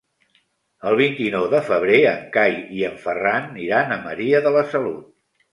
El vint-i-nou de febrer en Cai i en Ferran iran a Maria de la Salut.